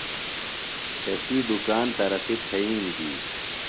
تسی دُکان ترقیۡ تھئیم گی۔